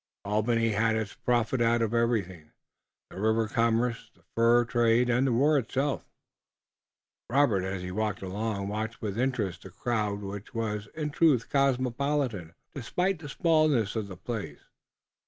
Albany had its profit out of everything, the river commerce, the fur trade, and war itself. Robert, as he walked along, watched with interest the crowd which was, in truth, cosmopolitan, despite the smallness of the place.